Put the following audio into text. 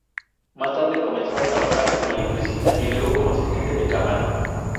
Más tarde comenzó a trabajar como electricista y luego como asistente de cámara.